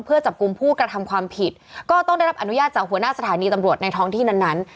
เพื่อจับกลุ่มผู้กระทำความผิดก็ต้องได้รับอนุญาตจากหัวหน้าสถานีตำรวจในท้องที่นั้น